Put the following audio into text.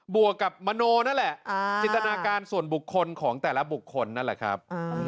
วกกับมโนนั่นแหละจินตนาการส่วนบุคคลของแต่ละบุคคลนั่นแหละครับ